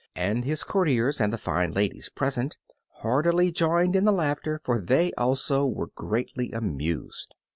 And his courtiers and the fine ladies present heartily joined in the laughter, for they also were greatly amused.